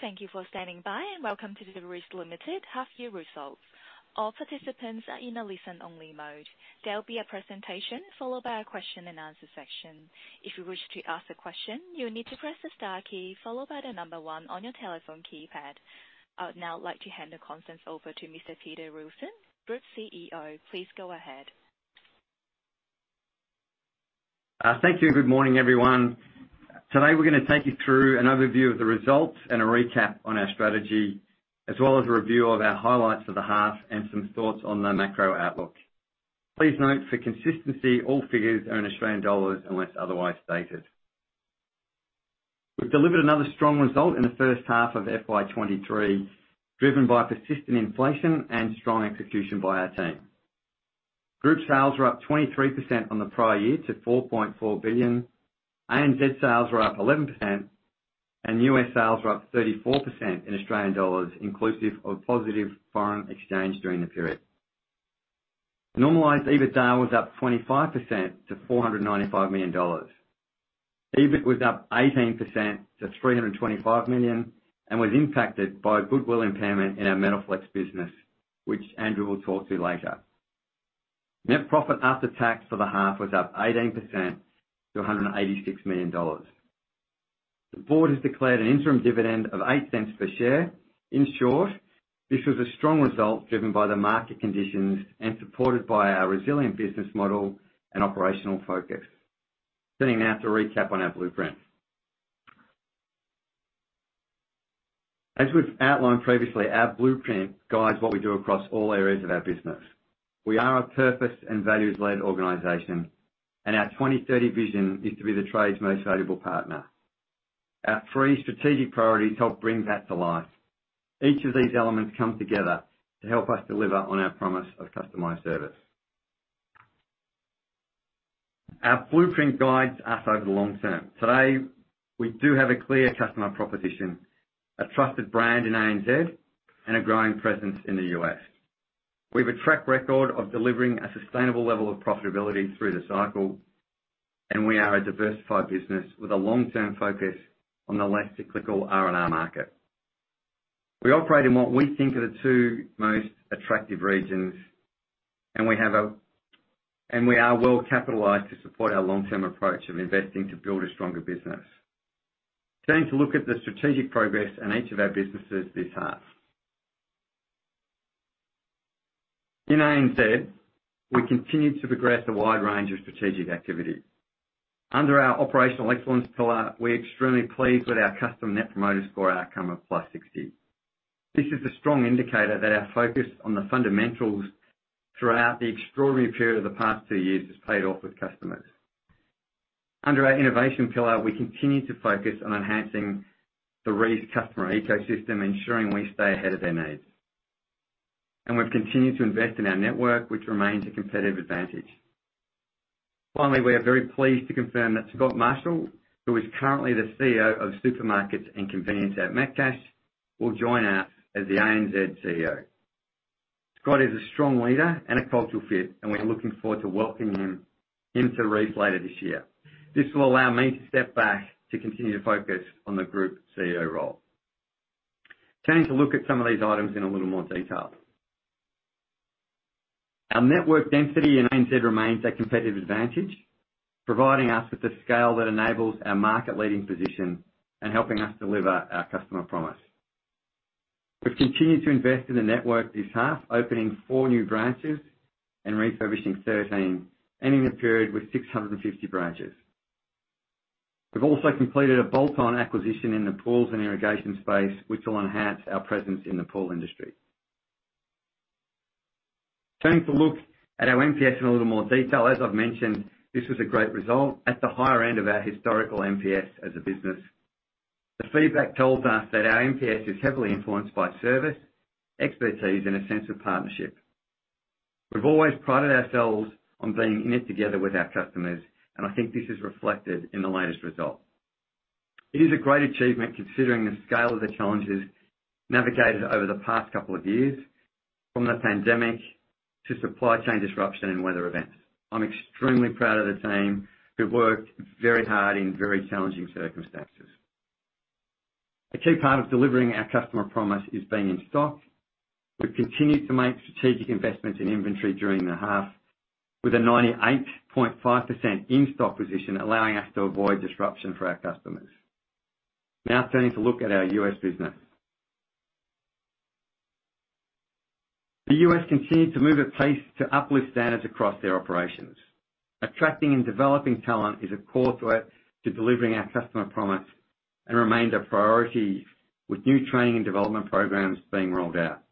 Thank you for standing by, and welcome to the Reece Limited half year results. All participants are in a listen-only mode. There will be a presentation followed by a question and answer session. If you wish to ask a question, you will need to press the star key followed by the number one on your telephone keypad. I would now like to hand the conference over to Mr. Peter Wilson, Group CEO. Please go ahead. Thank you. Good morning, everyone. Today, we're gonna take you through an overview of the results and a recap on our strategy, as well as a review of our highlights for the half and some thoughts on the macro outlook. Please note, for consistency, all figures are in Australian dollars unless otherwise stated. We've delivered another strong result in the first half of FY23, driven by persistent inflation and strong execution by our team. Group sales were up 23% on the prior year to 4.4 billion. ANZ sales were up 11%. U.S. sales were up 34% in AUD, inclusive of positive foreign exchange during the period. Normalized EBITDA was up 25% to 495 million dollars. EBIT was up 18% to 325 million and was impacted by goodwill impairment in our Metalflex business, which Andrew will talk to later. Net profit after tax for the half was up 18% to 186 million dollars. The board has declared an interim dividend of 0.08 per share. In short, this was a strong result driven by the market conditions and supported by our resilient business model and operational focus. Turning now to recap on our blueprint. As we've outlined previously, our blueprint guides what we do across all areas of our business. We are a purpose and values-led organization, and our 2030 vision is to be the trade's most valuable partner. Our three strategic priorities help bring that to life. Each of these elements come together to help us deliver on our promise of customized service. Our blueprint guides us over the long term. Today, we do have a clear customer proposition, a trusted brand in ANZ, and a growing presence in the US. We have a track record of delivering a sustainable level of profitability through the cycle, and we are a diversified business with a long-term focus on the less cyclical R&R market. We operate in what we think are the two most attractive regions, and we are well capitalized to support our long-term approach of investing to build a stronger business. Turning to look at the strategic progress in each of our businesses this half. In ANZ, we continued to progress a wide range of strategic activities. Under our operational excellence pillar, we're extremely pleased with our customer Net Promoter Score outcome of +60. This is a strong indicator that our focus on the fundamentals throughout the extraordinary period of the past 2 years has paid off with customers. Under our innovation pillar, we continue to focus on enhancing the Reece customer ecosystem, ensuring we stay ahead of their needs. We've continued to invest in our network, which remains a competitive advantage. Finally, we are very pleased to confirm that Scott Marshall, who is currently the CEO of supermarkets and convenience at Metcash, will join us as the ANZ CEO. Scott is a strong leader and a cultural fit, and we're looking forward to welcoming him into Reece later this year. This will allow me to step back to continue to focus on the group CEO role. Turning to look at some of these items in a little more detail. Our network density in ANZ remains a competitive advantage, providing us with the scale that enables our market-leading position and helping us deliver our customer promise. We've continued to invest in the network this half, opening 4 new branches and refurbishing 13, ending the period with 650 branches. We've also completed a bolt-on acquisition in the pools and irrigation space, which will enhance our presence in the pool industry. Turning to look at our NPS in a little more detail. As I've mentioned, this was a great result at the higher end of our historical NPS as a business. The feedback tells us that our NPS is heavily influenced by service, expertise, and a sense of partnership. We've always prided ourselves on being in it together with our customers, and I think this is reflected in the latest result. It is a great achievement considering the scale of the challenges navigated over the past couple of years, from the pandemic to supply chain disruption and weather events. I'm extremely proud of the team who worked very hard in very challenging circumstances. A key part of delivering our customer promise is being in stock. We've continued to make strategic investments in inventory during the half, with a 98.5% in-stock position allowing us to avoid disruption for our customers. Turning to look at our U.S. business. The U.S. continued to move apace to uplift standards across their operations. Attracting and developing talent is a core threat to delivering our customer promise and remained a priority, with new training and development programs being rolled out.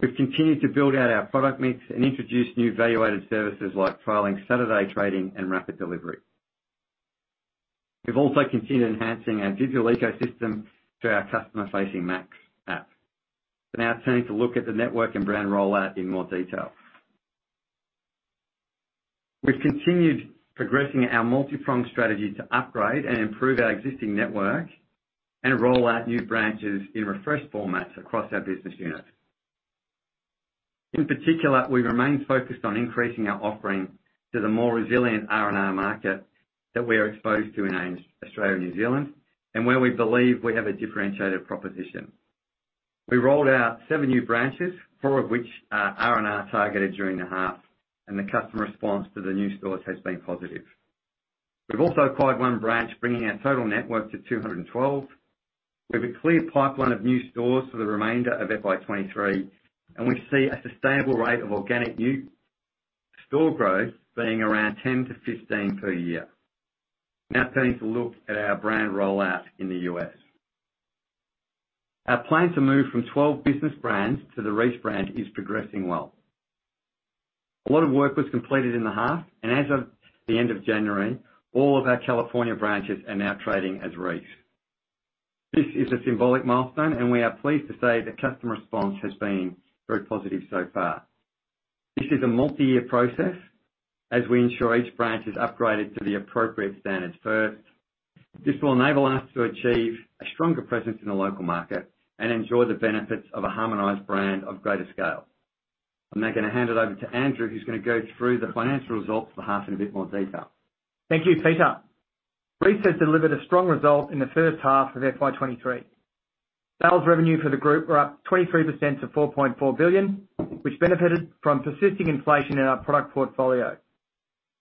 We've continued to build out our product mix and introduce new value-added services like trialing Saturday trading and rapid delivery. We've also continued enhancing our digital ecosystem through our customer-facing maX app. We're now turning to look at the network and brand rollout in more detail. We've continued progressing our multi-pronged strategy to upgrade and improve our existing network and roll out new branches in refreshed formats across our business units. In particular, we remain focused on increasing our offering to the more resilient R&R market that we are exposed to in Australia and New Zealand, and where we believe we have a differentiated proposition. We rolled out seven new branches, four of which are R&R targeted during the half. The customer response to the new stores has been positive. We've also acquired one branch, bringing our total network to 212. We have a clear pipeline of new stores for the remainder of FY23. We see a sustainable rate of organic new store growth being around 10-15 per year. Turning to look at our brand rollout in the U.S. Our plan to move from 12 business brands to the Reece brand is progressing well. A lot of work was completed in the half. As of the end of January, all of our California branches are now trading as Reece. This is a symbolic milestone. We are pleased to say that customer response has been very positive so far. This is a multi-year process as we ensure each branch is upgraded to the appropriate standards first. This will enable us to achieve a stronger presence in the local market and enjoy the benefits of a harmonized brand of greater scale. I'm now gonna hand it over to Andrew, who's gonna go through the financial results for the half in a bit more detail. Thank you, Peter. Reece has delivered a strong result in the first half of FY23. Sales revenue for the group were up 23% to 4.4 billion, which benefited from persisting inflation in our product portfolio.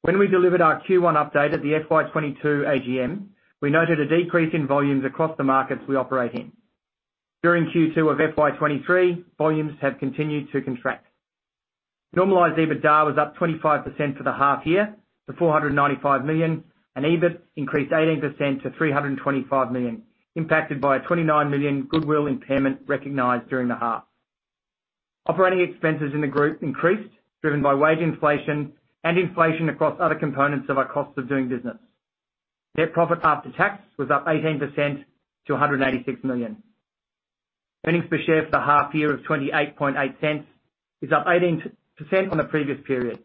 When we delivered our Q1 update at the FY22 AGM, we noted a decrease in volumes across the markets we operate in. During Q2 of FY23, volumes have continued to contract. Normalized EBITDA was up 25% for the half year to 495 million, and EBIT increased 18% to 325 million, impacted by a 29 million goodwill impairment recognized during the half. Operating expenses in the group increased, driven by wage inflation and inflation across other components of our cost of doing business. Net profit after tax was up 18% to 186 million. Earnings per share for the half year of 0.288 is up 18% on the previous period.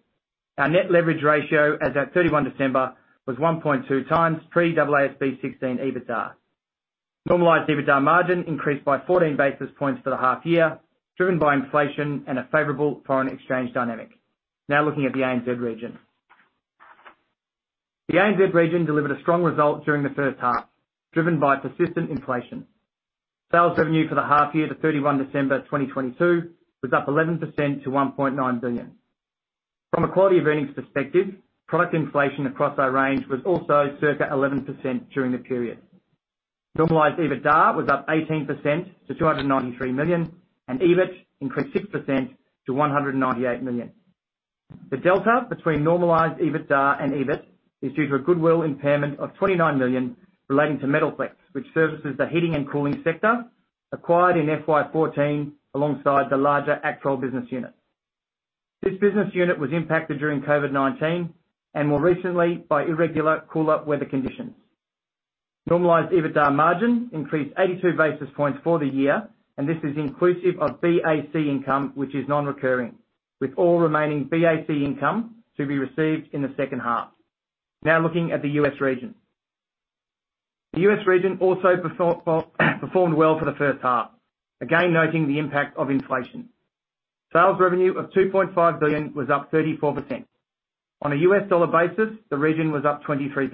Our net leverage ratio as at 31 December was 1.2 times pre-AASB 16 EBITDA. Normalized EBITDA margin increased by 14 basis points for the half year, driven by inflation and a favorable foreign exchange dynamic. Looking at the ANZ region. The ANZ region delivered a strong result during the first half, driven by persistent inflation. Sales revenue for the half year to 31 December 2022 was up 11% to 1.9 billion. From a quality of earnings perspective, product inflation across our range was also circa 11% during the period. Normalized EBITDA was up 18% to 293 million, and EBIT increased 6% to 198 million. The delta between normalized EBITDA and EBIT is due to a goodwill impairment of 29 million relating to Metalflex, which services the heating and cooling sector acquired in FY14 alongside the larger Actrol business unit. This business unit was impacted during COVID-19, and more recently by irregular cooler weather conditions. Normalized EBITDA margin increased 82 basis points for the year, and this is inclusive of BAC income, which is non-recurring, with all remaining BAC income to be received in the second half. Looking at the U.S. region. The U.S. region also performed well for the first half, again, noting the impact of inflation. Sales revenue of $2.5 billion was up 34%. On a U.S. dollar basis, the region was up 23%.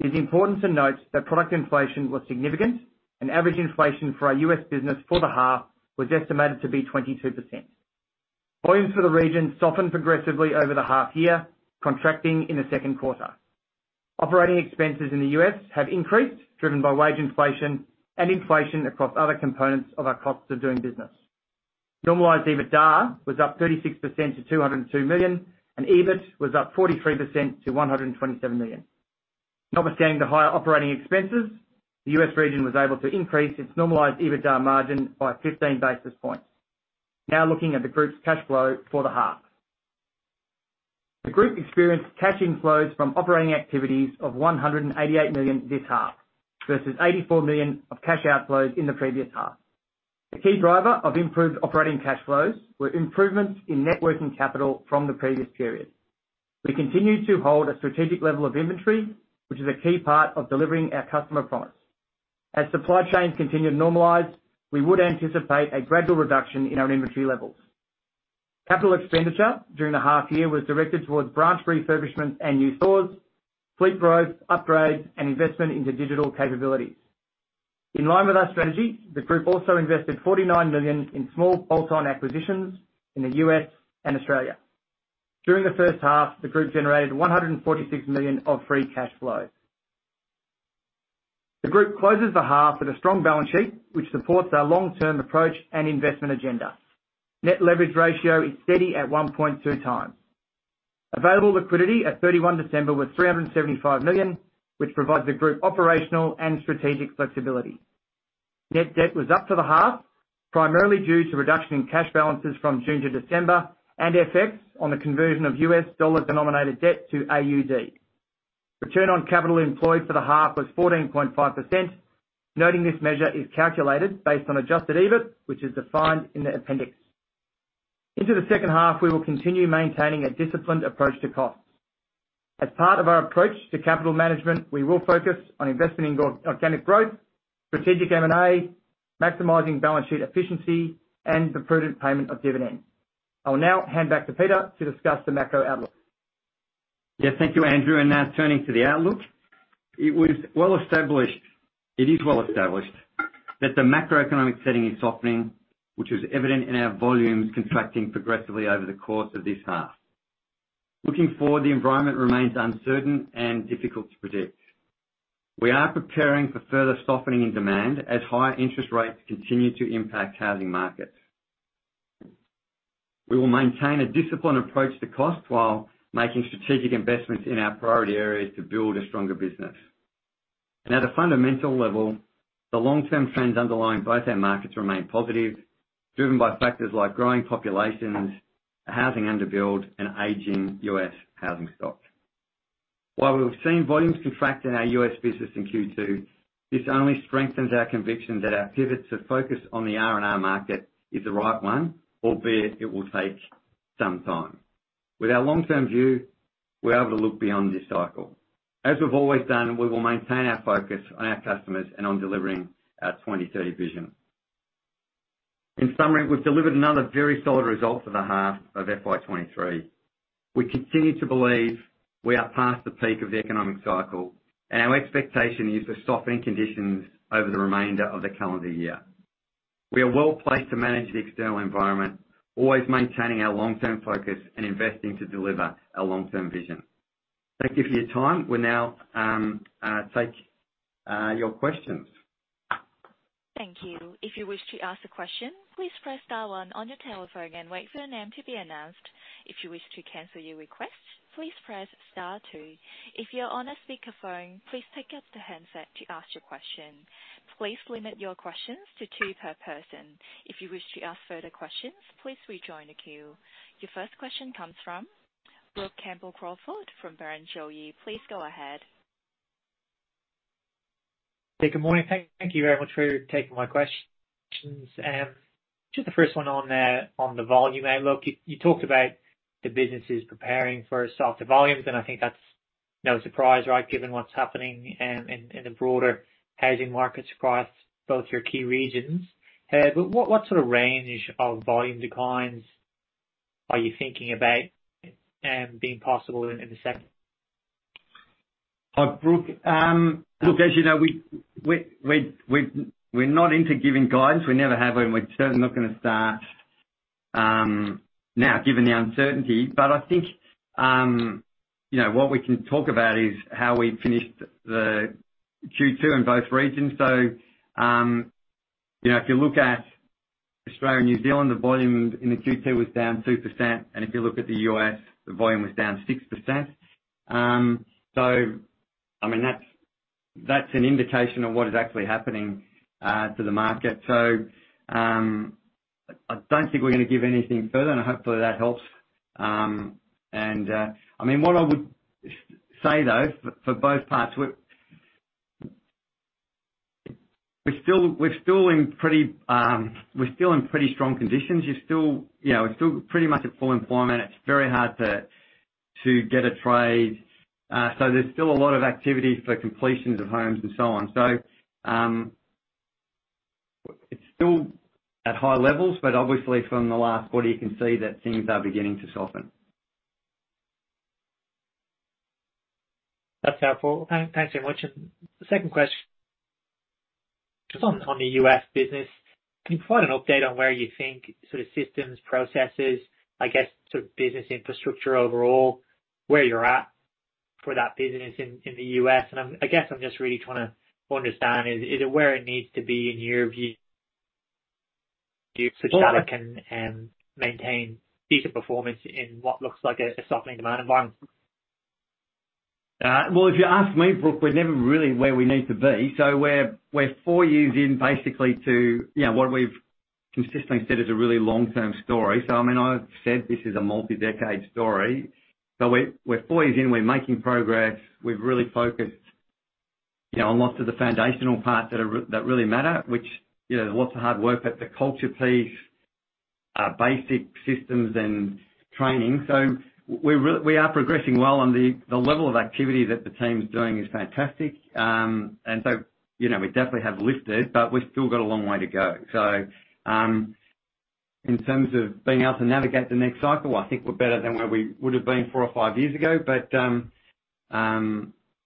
It is important to note that product inflation was significant and average inflation for our U.S. business for the half was estimated to be 22%. Volumes for the region softened progressively over the half year, contracting in the second quarter. Operating expenses in the U.S. have increased, driven by wage inflation and inflation across other components of our cost of doing business. Normalized EBITDA was up 36% to $202 million, and EBIT was up 43% to $127 million. Notwithstanding the higher operating expenses, the U.S. region was able to increase its normalized EBITDA margin by 15 basis points. Looking at the group's cash flow for the half. The group experienced cash inflows from operating activities of $188 million this half, versus $84 million of cash outflows in the previous half. The key driver of improved operating cash flows were improvements in net working capital from the previous period. We continue to hold a strategic level of inventory, which is a key part of delivering our customer promise. As supply chains continue to normalize, we would anticipate a gradual reduction in our inventory levels. Capital expenditure during the half year was directed towards branch refurbishments and new stores, fleet growth, upgrades, and investment into digital capabilities. In line with our strategy, the group also invested 49 million in small bolt-on acquisitions in the U.S. and Australia. During the first half, the group generated 146 million of free cash flow. The group closes the half with a strong balance sheet, which supports our long-term approach and investment agenda. Net leverage ratio is steady at 1.2 times. Available liquidity at 31 December was 375 million, which provides the group operational and strategic flexibility. Net debt was up for the half, primarily due to reduction in cash balances from June to December and FX on the conversion of US dollar-denominated debt to AUD. Return on capital employed for the half was 14.5%. Noting this measure is calculated based on adjusted EBIT, which is defined in the appendix. Into the second half, we will continue maintaining a disciplined approach to cost. As part of our approach to capital management, we will focus on investing in organic growth, strategic M&A, maximizing balance sheet efficiency, and the prudent payment of dividend. I will now hand back to Peter to discuss the macro outlook. Yes, thank you, Andrew. Now turning to the outlook. It is well established that the macroeconomic setting is softening, which is evident in our volumes contracting progressively over the course of this half. Looking forward, the environment remains uncertain and difficult to predict. We are preparing for further softening in demand as higher interest rates continue to impact housing markets. We will maintain a disciplined approach to cost while making strategic investments in our priority areas to build a stronger business. At a fundamental level, the long-term trends underlying both our markets remain positive, driven by factors like growing populations, a housing underbuild, and aging U.S. housing stock. While we've seen volumes contract in our U.S. business in Q2, this only strengthens our conviction that our pivot to focus on the R&R market is the right one, albeit it will take some time. With our long-term view, we're able to look beyond this cycle. As we've always done, we will maintain our focus on our customers and on delivering our 2030 vision. In summary, we've delivered another very solid result for the half of FY23. We continue to believe we are past the peak of the economic cycle. Our expectation is for softening conditions over the remainder of the calendar year. We are well-placed to manage the external environment, always maintaining our long-term focus and investing to deliver our long-term vision. Thank you for your time. We'll now take your questions. Thank you. If you wish to ask a question, please press star one on your telephone and wait for your name to be announced. If you wish to cancel your request, please press star two. If you're on a speakerphone, please pick up the handset to ask your question. Please limit your questions to two per person. If you wish to ask further questions, please rejoin the queue. Your first question comes from Brook Campbell-Crawford from Barrenjoey. Please go ahead. Hey, good morning. Thank you very much for taking my questions. Just the first one on the volume outlook. You talked about the businesses preparing for softer volumes, and I think that's no surprise, right, given what's happening in the broader housing markets across both your key regions. But what sort of range of volume declines are you thinking about being possible in the second- Hi, Brooke. Look, as you know, we're not into giving guidance. We never have been. We're certainly not gonna start now, given the uncertainty. I think, you know, what we can talk about is how we finished the Q2 in both regions. You know, if you look at Australia and New Zealand, the volume in the Q2 was down 2%, and if you look at the US, the volume was down 6%. I mean, that's an indication of what is actually happening to the market. I don't think we're gonna give anything further, and hopefully that helps. I mean, what I would say, though, for both parts, we're still in pretty strong conditions. You're still, you know, we're still pretty much at full employment. It's very hard to get a trade. There's still a lot of activity for completions of homes and so on. It's still at high levels, but obviously from the last quarter, you can see that things are beginning to soften. That's helpful. Thanks very much. The second question is on the U.S. business. Can you provide an update on where you think sort of systems, processes, I guess sort of business infrastructure overall, where you're at for that business in the U.S.? I guess I'm just really trying to understand, is it where it needs to be in your view, so that it can maintain decent performance in what looks like a softening demand environment? Well, if you ask me, Brook, we're never really where we need to be. We're 4 years in basically to, you know, what we've consistently said is a really long-term story. I mean, I've said this is a multi-decade story. We're 4 years in. We're making progress. We've really focused, you know, on lots of the foundational parts that really matter, which, you know, there's lots of hard work, but the culture piece, basic systems and training. We are progressing well on the level of activity that the team's doing is fantastic. You know, we definitely have lifted, but we've still got a long way to go. In terms of being able to navigate the next cycle, I think we're better than where we would've been 4 or 5 years ago.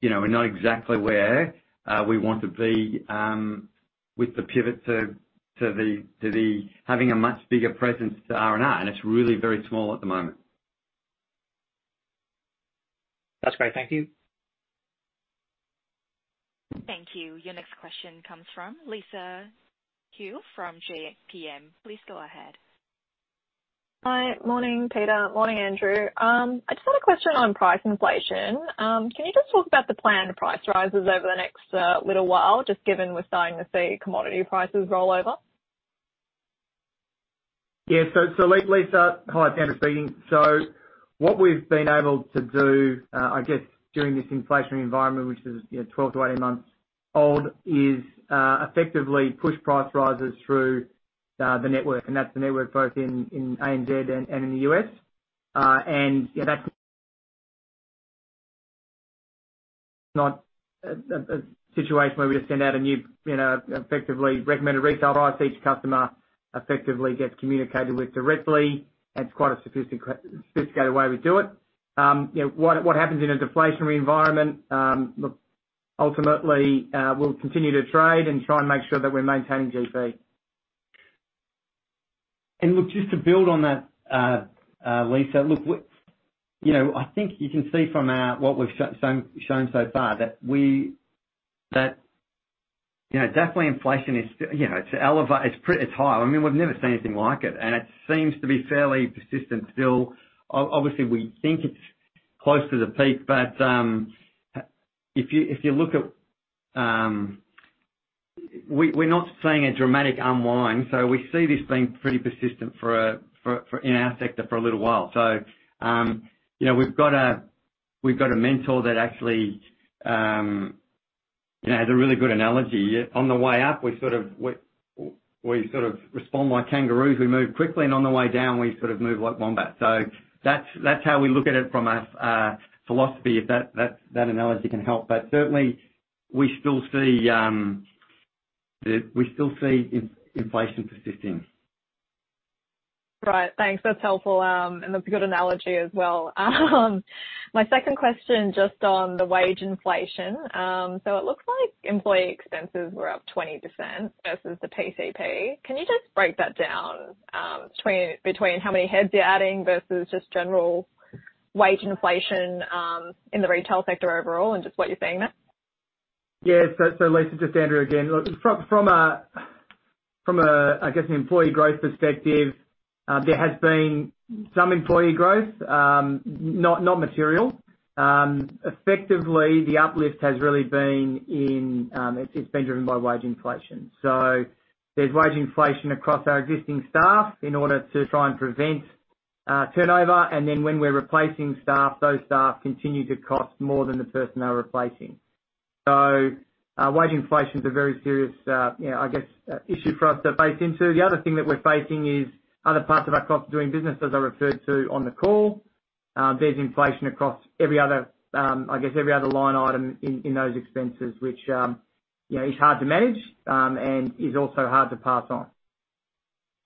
You know, we're not exactly where we want to be with the pivot to the having a much bigger presence to R&R, and it's really very small at the moment. That's great. Thank you. Thank you. Your next question comes from Lisa De Neve from GPM. Please go ahead. Hi. Morning, Peter. Morning, Andrew. I just had a question on price inflation. Can you just talk about the planned price rises over the next little while, just given we're starting to see commodity prices roll over? Yeah. Lisa, hi, thanks for the feeding. What we've been able to do, I guess during this inflationary environment, which is, you know, 12-18 months old, is, effectively push price rises through the network, and that's the network both in ANZ and, in the US. And, you know, that's not a situation where we just send out a new, you know, effectively recommended retail price. Each customer effectively gets communicated with directly. It's quite a sophisticated way we do it. You know, what happens in a deflationary environment, look, ultimately, we'll continue to trade and try and make sure that we're maintaining GP. Look, just to build on that, Lisa, look, you know, I think you can see from our, what we've shown so far, that, you know, definitely inflation is you know, it's high. I mean, we've never seen anything like it, and it seems to be fairly persistent still. Obviously, we think it's close to the peak, but if you look at, we're not seeing a dramatic unwind, so we see this being pretty persistent for in our sector for a little while. You know, we've got a mentor that actually, you know, has a really good analogy. On the way up, we sort of respond like kangaroos. We move quickly, and on the way down, we sort of move like wombats. That's how we look at it from a philosophy, if that analogy can help. Certainly we still see inflation persisting. Right. Thanks. That's helpful, and that's a good analogy as well. My second question, just on the wage inflation. It looks like employee expenses were up 20% versus the PCP. Can you just break that down, between how many heads you're adding versus just general wage inflation, in the retail sector overall and just what you're seeing there? Yeah. Lisa, just Andrew again. Look, from a, I guess, an employee growth perspective, there has been some employee growth, not material. Effectively the uplift has really been in, it's been driven by wage inflation. There's wage inflation across our existing staff in order to try and prevent turnover. When we're replacing staff, those staff continue to cost more than the person they're replacing. Wage inflation is a very serious, you know, I guess, issue for us to face into. The other thing that we're facing is other parts of our cost of doing business, as I referred to on the call. There's inflation across every other, I guess, every other line item in those expenses, which, you know, is hard to manage, and is also hard to pass on.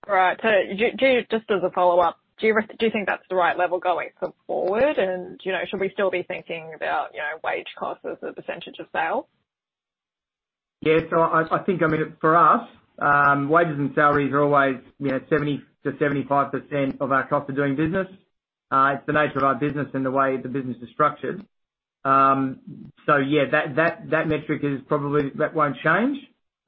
Right. Just as a follow-up, do you think that's the right level going forward? You know, should we still be thinking about, you know, wage costs as a % of sales? Yeah. I think, I mean, for us, wages and salaries are always, you know, 70%-75% of our cost of doing business. It's the nature of our business and the way the business is structured. Yeah, that metric won't change.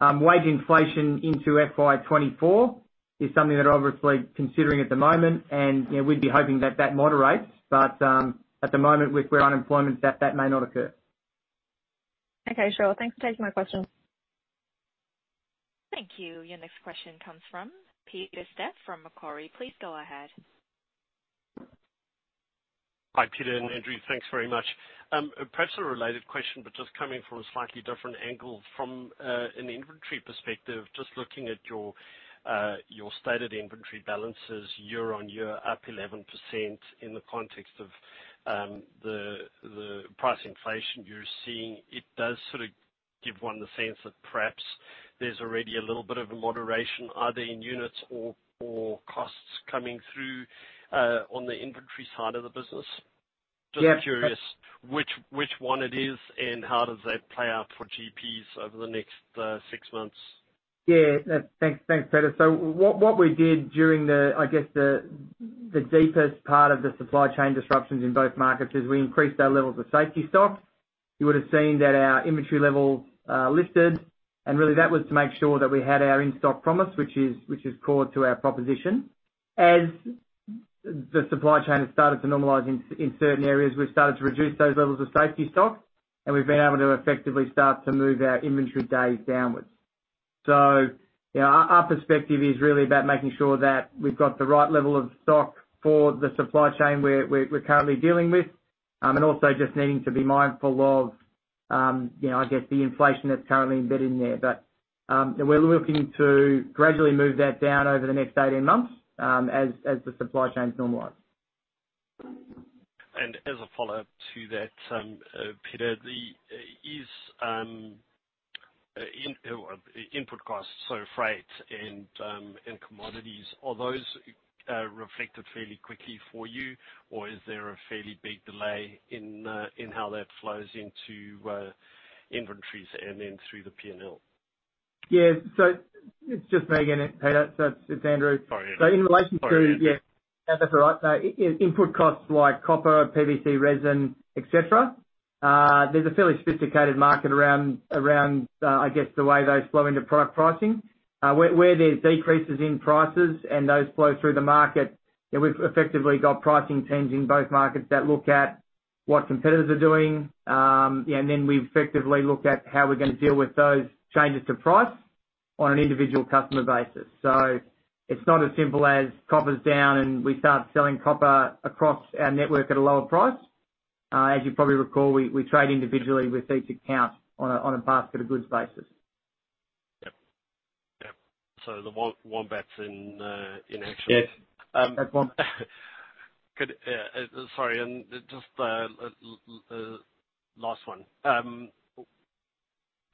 Wage inflation into FY24 is something that we're obviously considering at the moment. You know, we'd be hoping that that moderates. At the moment with where unemployment's at, that may not occur. Okay, sure. Thanks for taking my questions. Thank you. Your next question comes from Peter Steyn from Macquarie. Please go ahead. Hi, Peter and Andrew. Thanks very much. Perhaps a related question, but just coming from a slightly different angle from an inventory perspective, just looking at your your stated inventory balances year-on-year up 11% in the context of the price inflation you're seeing, it does sort of give one the sense that perhaps there's already a little bit of a moderation either in units or costs coming through on the inventory side of the business. Yeah. Just curious which one it is and how does that play out for GPs over the next, six months? Thanks, Peter. What we did during the, I guess, the deepest part of the supply chain disruptions in both markets is we increased our levels of safety stock. You would've seen that our inventory levels lifted, and really that was to make sure that we had our in-stock promise, which is core to our proposition. As the supply chain has started to normalize in certain areas, we've started to reduce those levels of safety stock, and we've been able to effectively start to move our inventory days downwards. You know, our perspective is really about making sure that we've got the right level of stock for the supply chain we're currently dealing with. Also just needing to be mindful of, you know, I guess, the inflation that's currently embedded in there. We're looking to gradually move that down over the next 18 months, as the supply chains normalize. As a follow-up to that, Peter, input costs, so freight and commodities, are those reflected fairly quickly for you, or is there a fairly big delay in how that flows into inventories and then through the P&L? Yeah. It's just me again, Peter. It's Andrew. Sorry, Andrew. So in relation to- Sorry, Andrew. Yeah. No, that's all right. input costs like copper, PVC resin, et cetera, there's a fairly sophisticated market around, I guess, the way those flow into product pricing. Where there's decreases in prices and those flow through the market, you know, we've effectively got pricing teams in both markets that look at what competitors are doing. Yeah, and then we effectively look at how we're gonna deal with those changes to price on an individual customer basis. It's not as simple as copper's down and we start selling copper across our network at a lower price. As you probably recall, we trade individually with each account on a basket of goods basis. Yep. Yep. The wombats in action. Yes. Wombats. Could, sorry, and just the last one.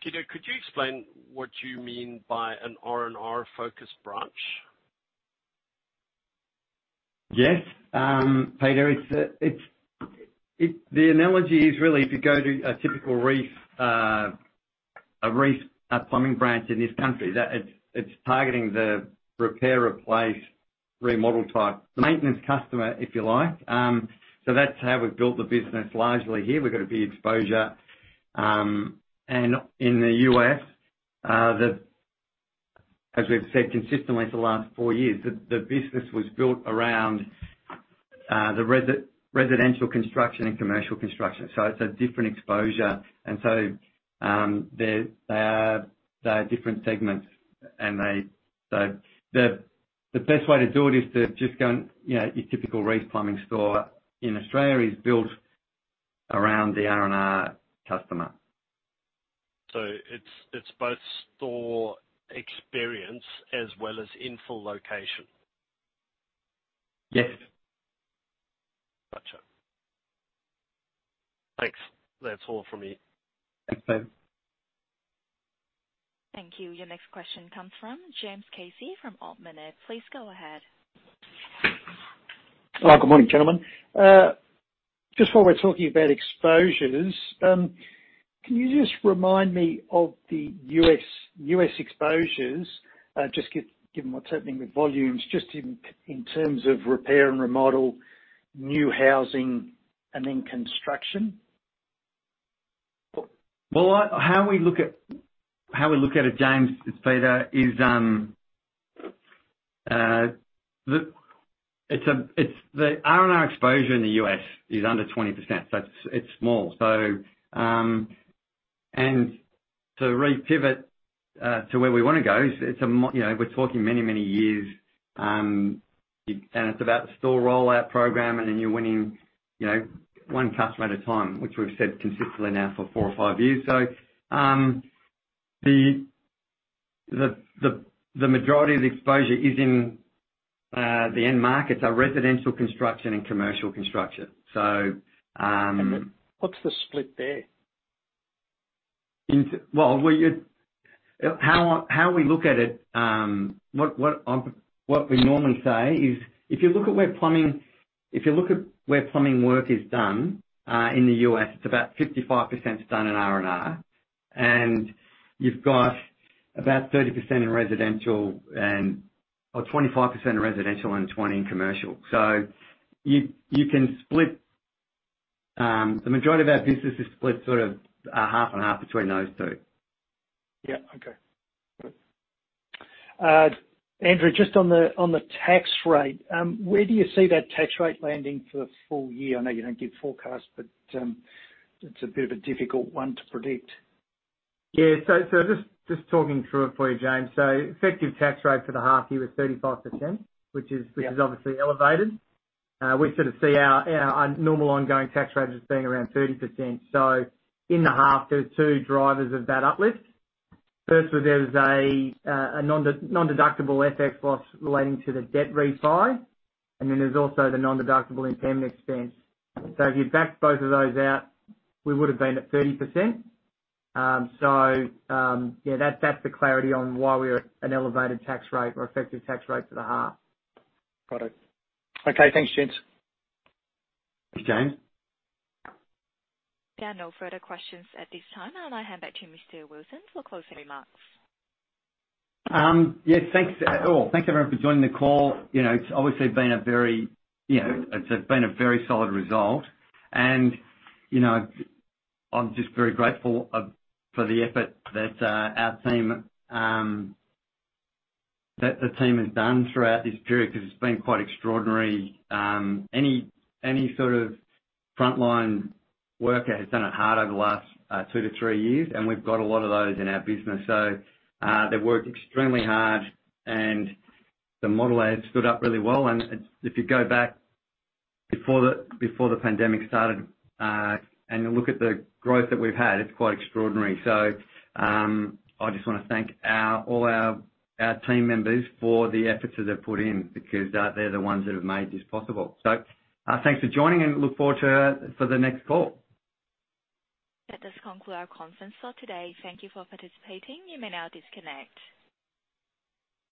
Peter, could you explain what you mean by an R&R-focused branch? Yes. Peter, it's the analogy is really to go to a typical Reece, a Reece plumbing branch in this country that it's targeting the repair, replace, remodel type. Maintenance customer, if you like. That's how we've built the business largely here. We've got a big exposure. In the U.S., as we've said consistently for the last four years, the business was built around the residential construction and commercial construction. It's a different exposure. They are different segments. The best way to do it is to just go and, you know, your typical Reece Plumbing store in Australia is built around the R&R customer. It's both store experience as well as in full location. Yes. Gotcha. Thanks. That's all from me. Thanks, Peter. Thank you. Your next question comes from James Casey from uncertain]. Please go ahead. Hello. Good morning, gentlemen. Just while we're talking about exposures, can you just remind me of the US exposures, given what's happening with volumes, in terms of repair and remodel, new housing and then construction? Well, how we look at it, James, it's Peter, is it's the R&R exposure in the U.S. is under 20%. It's small. To really pivot to where we wanna go is you know, we're talking many, many years, and it's about the store rollout program and then you're winning, you know, one customer at a time, which we've said consistently now for 4 or 5 years. The majority of the exposure is in the end markets, our residential construction and commercial construction. What's the split there? Well, how we look at it, what we normally say is if you look at where plumbing work is done, in the US, it's about 55% is done in R&R, and you've got about 30% in residential and or 25% in residential and 20 in commercial. You, you can split, the majority of our business is split, sort of, half and half between those two. Yeah. Okay. Andrew, just on the, on the tax rate, where do you see that tax rate landing for the full year? I know you don't give forecasts, but it's a bit of a difficult one to predict. Yeah. Just talking through it for you, James. Effective tax rate for the half year was 35%. Yeah. Which is obviously elevated. We sort of see our normal ongoing tax rate as being around 30%. In the half, there's 2 drivers of that uplift. First was there was a non-deductible FX loss relating to the debt refi, and then there's also the non-deductible impairment expense. If you backed both of those out, we would've been at 30%. Yeah, that's the clarity on why we're at an elevated tax rate or effective tax rate for the half. Got it. Okay. Thanks, gents. Thanks, James. There are no further questions at this time. I'll now hand back to Mr. Wilson for closing remarks. Yeah, thanks all. Thanks everyone for joining the call. You know, it's obviously been a very, you know, it's been a very solid result and, you know, I'm just very grateful for the effort that our team, that the team has done throughout this period 'cause it's been quite extraordinary. Any sort of frontline worker has done it hard over the last 2 to 3 years, and we've got a lot of those in our business. They've worked extremely hard and the model has stood up really well. If you go back before the pandemic started and look at the growth that we've had, it's quite extraordinary. I just wanna thank all our team members for the efforts that they've put in because they're the ones that have made this possible. Thanks for joining and look forward to, for the next call. That does conclude our conference call today. Thank you for participating. You may now disconnect.